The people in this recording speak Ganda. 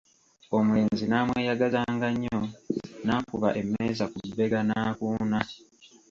Omulenzi n'emweyagazanga nnyo; n'akuba emmeeza ku bbega n'akuuna.